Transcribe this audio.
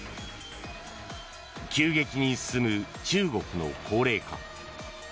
急激に進む中国の高齢化。